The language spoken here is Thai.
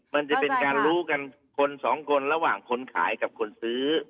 มันจะเป็นการรู้กันคนสองคนระหว่างคนขายกับคนซื้อ